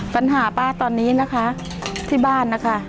ป้าตอนนี้นะคะที่บ้านนะคะ